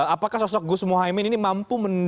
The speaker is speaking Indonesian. apakah sosok gus mohaimin ini mampu